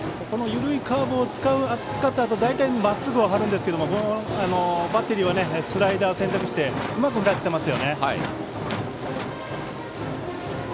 緩いカーブを使ったあと大体、まっすぐを張るんですがバッテリーはスライダーを選択してうまく振らせています。